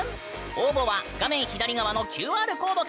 応募は画面左側のＱＲコードからアクセス！